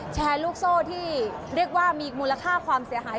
แชร์ลูกโซ่ที่เรียกว่ามีมูลค่าความเสียหาย